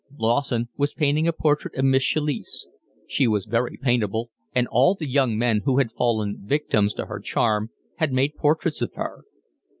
Lawson was painting a portrait of Miss Chalice. She was very paintable, and all the young men who had fallen victims to her charm had made portraits of her.